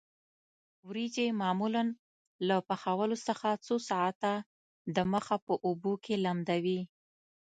وریجې معمولاً له پخولو څخه څو ساعته د مخه په اوبو کې لمدوي.